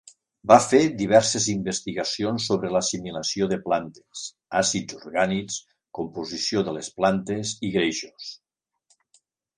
Va fer diverses investigacions sobre l'assimilació de plantes, àcids orgànics, composició de les plantes i greixos.